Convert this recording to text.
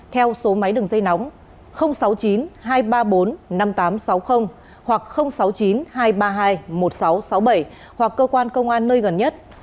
theo số máy đường dây nóng sáu mươi chín hai trăm ba mươi bốn năm nghìn tám trăm sáu mươi hoặc sáu mươi chín hai trăm ba mươi hai một nghìn sáu trăm sáu mươi bảy hoặc cơ quan công an nơi gần nhất